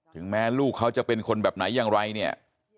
ถึงแม้ลูกเขาจะเป็นคนแบบไหนอย่างไรเนี่ย